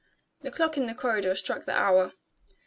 The clock in the corridor struck the hour.